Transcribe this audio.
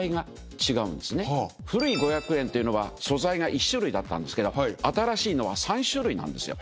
古い５００円というのは素材が１種類だったんですけど新しいのは３種類なんですよ。